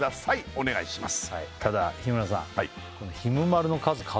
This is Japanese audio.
お願いします